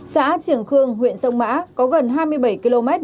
xã trường khương huyện sông mã có gần hai mươi bảy km đường biên phòng